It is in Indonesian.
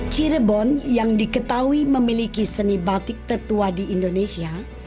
cirebon yang diketahui memiliki seni batik tertua di indonesia